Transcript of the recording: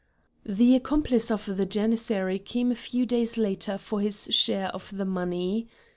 The accomplice of the Janissary came a few days later for his share of the money.